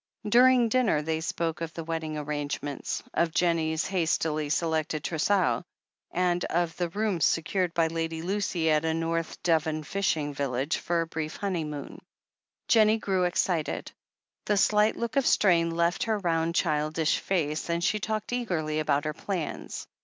During dinner they spoke of the wedding arrange ments, of Jennie's hastily selected trousseau, and of the rooms secured by Lady Lucy at a North Devon fishing village for the brief honeymoon. Jennie grew excited; the slight look of strain left her round, childish face, and she talked eagerly about her plans.